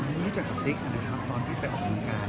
แล้วก็เหมือนกับต่างคนก็ต่างออกวงการ